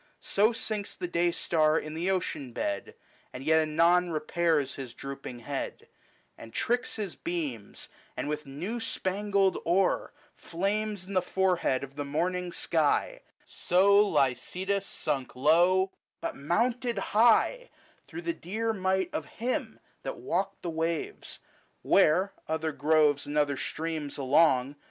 So sinks the day star in the ocean bed, And yet anon repairs his drooping head, And tricks his beams, and with new spangled ore 170 Flames in the forehead of the morning sky : So Lycidas sunk low, but mounted high, Through the dear might of Him that walked the waves, Where, other groves and other streams along, LYCIDAS.